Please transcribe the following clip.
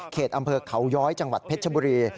อำเภอเขาย้อยจังหวัดเพชรบุรี